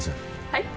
はい？